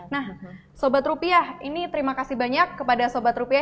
nah sobat rupiah ini terima kasih banyak kepada sobat rupiah